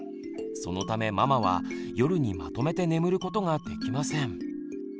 そのためママは夜にまとめて眠ることができません。